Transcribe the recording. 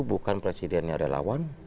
bukan presidennya relawan